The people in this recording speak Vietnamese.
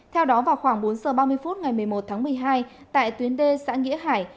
theo đó vào khoảng bốn giờ ba mươi phút ngày một mươi một tháng một mươi hai tại tuyến đê xã nghĩa hải